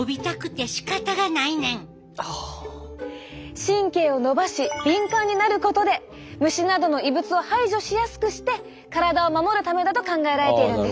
神経を伸ばし敏感になることで虫などの異物を排除しやすくして体を守るためだと考えられているんです。